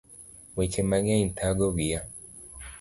Weche mang'eny thago wiya